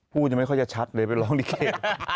พูดยังไม่ค่อยชัดเลยไปร้องลิเกย์